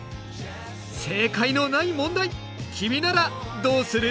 正解のない問題君ならどうする？